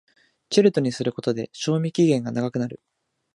チルドにすることで賞味期限が長くなる